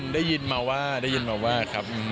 ได้ยินมาว่าได้ยินมาว่าครับ